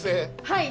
はい。